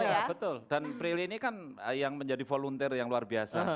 iya betul dan prilly ini kan yang menjadi volunteer yang luar biasa